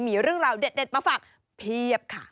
มีเรื่องราวเด็ดมาฝากเพียบค่ะ